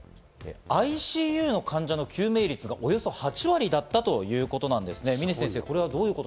ＩＣＵの患者の救命率がおよそ８割だったということですね。